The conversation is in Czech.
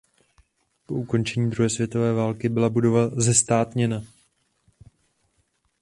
Po skončení druhé světové války byla budova zestátněna.